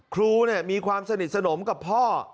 ครูมีความสนิทสนมกับพ่อ